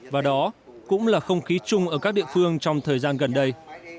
và đó cũng là không khí chung ở các địa phương trong thời gian gần đây